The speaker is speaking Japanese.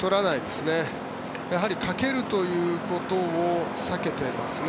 やはり、かけるということを避けていますね。